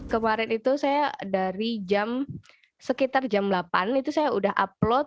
kemarin itu saya dari jam sekitar jam delapan itu saya sudah upload